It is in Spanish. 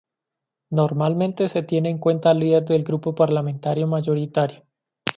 Normalmente se tiene en cuenta al líder del grupo parlamentario mayoritario.